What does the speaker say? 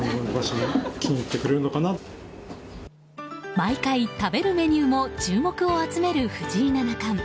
毎回、食べるメニューも注目を集める藤井七冠。